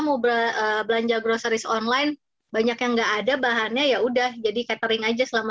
mau belanja groceris online banyak yang enggak ada bahannya ya udah jadi catering aja selama